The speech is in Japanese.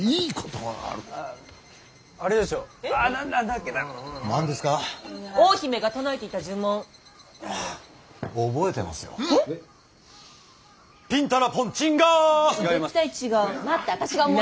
はい。